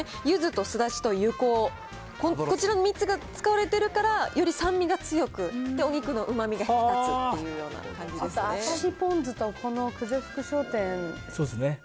ゆずとすだちとゆこう、こちら３つが使われているから、より酸味が強く、お肉のうまみが引き立つっていうような感じですね。